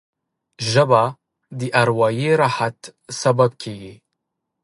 ژبه د اروايي راحت سبب کېږي